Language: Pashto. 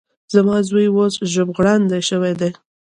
زما زوی اوس ژبغړاندی شوی دی.